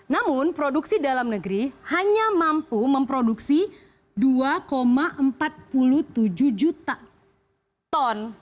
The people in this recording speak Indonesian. namun produksi dalam negeri hanya mampu memproduksi dua empat puluh tujuh juta ton